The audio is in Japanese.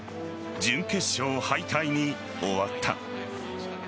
準決勝敗退に終わった。